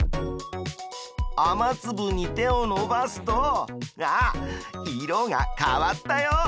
雨つぶに手をのばすとあっ色が変わったよ！